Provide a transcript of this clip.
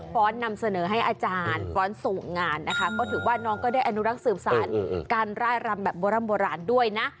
้อนนำเสนอให้อาจารย์ฟ้อนส่งงานนะคะก็ถือว่าน้องก็ได้อนุรักษ์สืบสารการร่ายรำแบบโบร่ำโบราณด้วยนะ